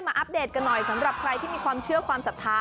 อัปเดตกันหน่อยสำหรับใครที่มีความเชื่อความศรัทธา